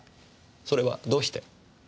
それはどうして？